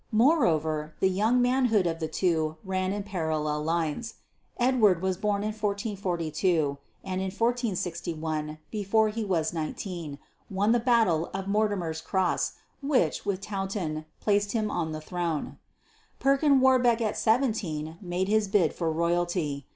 Moreover the young manhood of the two ran on parallel lines. Edward was born in 1442, and in 1461, before he was nineteen, won the battle of Mortimer's Cross which, with Towton, placed him on the throne. Perkin Warbeck at seventeen made his bid for royalty.